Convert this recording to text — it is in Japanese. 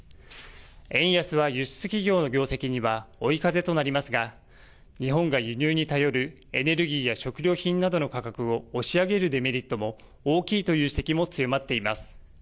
円安は輸出企業の業績には追い風となりますが日本が輸入に頼るエネルギーや食料品などの価格を押し上げるデメリットも大きいという指摘も強まっています。